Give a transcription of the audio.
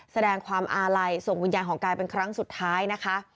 แสดงความอาลัยส่งวิญญาณของกายเป็นครั้งสุดท้ายนะคะ